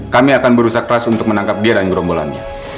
kami akan berusaha keras untuk menangkap dia dan gerombolannya